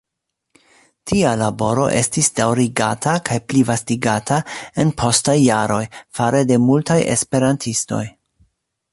Tia laboro estis daŭrigata kaj plivastigata en postaj jaroj, fare de multaj esperantistoj.